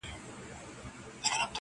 پوهېږم چي زموږه محبت له مينې ژاړي,